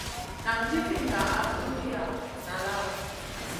Nan jifi ŋah suhgiya nala ?